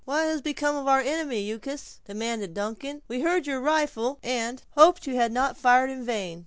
"What has become of our enemy, Uncas?" demanded Duncan; "we heard your rifle, and hoped you had not fired in vain."